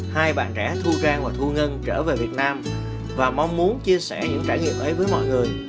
hai bạn trẻ thu rang và thu ngân trở về việt nam và mong muốn chia sẻ những trải nghiệm ấy với mọi người